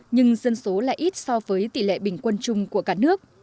nhưng dân số lại ít so với tỷ lệ bình quân chung của cả nước